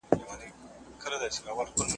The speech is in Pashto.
خدای زموږ په تېروتنو پرده غوړوي.